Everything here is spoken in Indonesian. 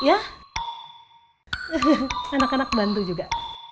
anak anak bantu juga